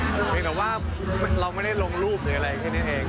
เพียงแต่ว่าเราไม่ได้ลงรูปหรืออะไรแค่นี้เอง